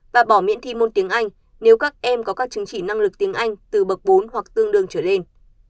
và bỏ miễn thi môn tiếng anh nếu các em có các chứng chỉ năng lực tiếng anh từ bậc bốn hoặc tương đương trở lên